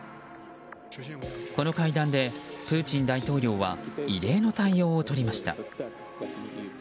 この会談でプーチン大統領は異例の対応を取りました。